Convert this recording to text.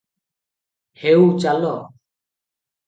"ହେଉ ଚାଲ-"